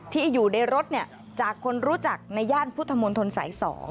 ที่อยู่ในรถจากคนรู้จักในย่านพุทธมนตรสาย๒